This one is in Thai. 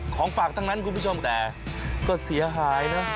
ของฝากทั้งนั้นคุณผู้ชมแต่ก็เสียหายนะ